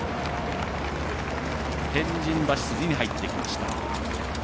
天神橋筋に入ってきました。